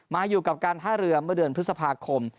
มาอยู่กับการท่าเรือเมื่อเดือนพฤษภาคม